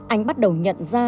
anh bắt đầu nhận ra